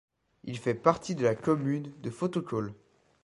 Il fait partie de la commune de Fotokol.